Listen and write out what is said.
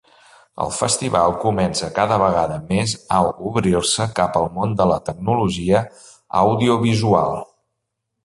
El festival comença cada vegada més a obrir-se cap al món de la tecnologia audiovisual.